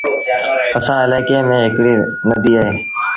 اسآݩ الآڪي ميݩ هڪڙيٚ نديٚ اهي۔